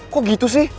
kok gitu sih